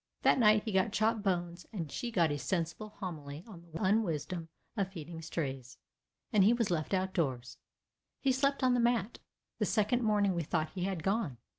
That night he got chop bones and she got a sensible homily on the unwisdom of feeding strays, and he was left outdoors. He slept on the mat. The second morning we thought he had gone.